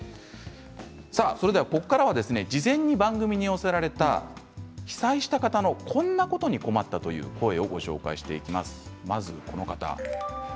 ここからは事前に番組に寄せられた被災した方のこんなことに困ったという声をご紹介していきます。